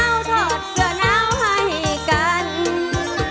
นั่งดูหมอลำเดี๋ยวถึงเครื่องนี้ก็ง่ายกัน